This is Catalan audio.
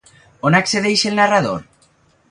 On accedeix el narrador?